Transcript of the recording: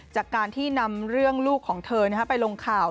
จากการที่นำเรื่องลูกของเธอไปลงข่าว